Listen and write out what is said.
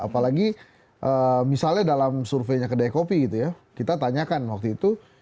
apalagi misalnya dalam surveinya kedai kopi gitu ya kita tanyakan waktu itu